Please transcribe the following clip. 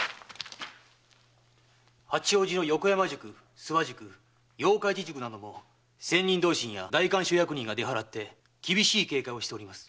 八王子の横山宿諏訪宿八日市宿なども千人同心や代官所役人が出払い厳しい警戒をしております。